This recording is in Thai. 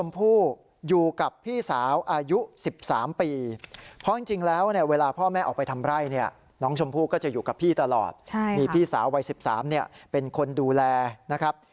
พี่สาววัย๑๓เป็นคนดูแลนะครับ